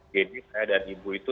jadi saya dan ibu itu